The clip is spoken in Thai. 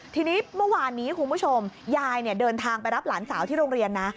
ทีนี้เมื่อวานนี้คุณผู้ชมยายเดินทางไปรับหลานสาวที่โรงเรียนนะ